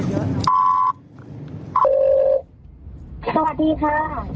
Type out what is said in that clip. สวัสดีค่ะ